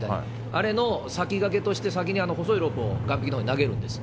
あれの先駆けとして、先に細いロープを岸壁のほうにかけるんです。